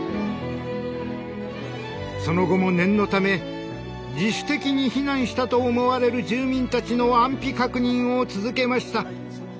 その後も念のため自主的に避難したと思われる住民たちの安否確認を続けました。